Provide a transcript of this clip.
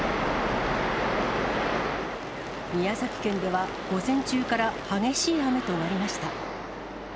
宮崎県では午前中から激しい雨となりました。